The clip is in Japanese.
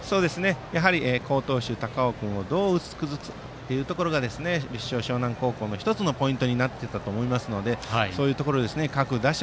やはり好投手の高尾君をどう打ち崩すかというところが立正大淞南高校の１つのポイントになっていたと思いますのでそういうところ、各打者